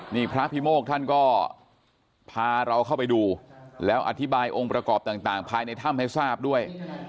นี่พระพิโมกท่านก็พาเราเข้าไปดูแล้วอธิบายองค์ประกอบต่างภายในถ้ำให้ทราบด้วย